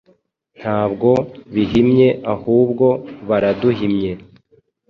Ntabwo bihimye ahubwo baraduhimye